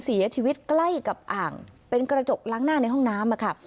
เสียชีวิตใกล้กับอ่างเป็นกระจกล้างหน้าในห้องน้ำค่ะ